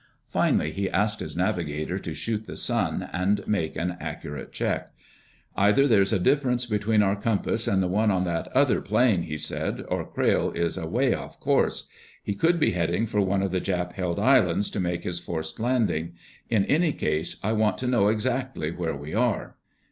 Finally he asked his navigator to shoot the sun and make an accurate check. "Either there's a difference between our compass and the one on that other plane," he said, "or Crayle is away off course. He could be heading for one of the Jap held islands to make his forced landing. In any case, I want to know exactly where we are."